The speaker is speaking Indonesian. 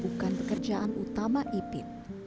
bukan pekerjaan utama ipid